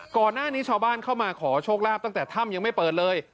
ก่อนหน้านี้ชาวบ้านเข้ามาขอโชคลาภตั้งแต่ถ้ำยังไม่เปิดเลย